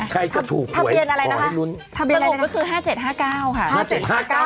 ถ้าเบียนอะไรนะคะถ้าเบียนอะไรนะคะสมมุติก็คือ๕๗๕๙ค่ะ